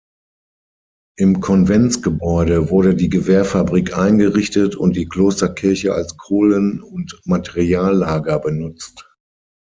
Im Konventsgebäude wurde die Gewehrfabrik eingerichtet und die Klosterkirche als Kohlen- und Materiallager benutzt.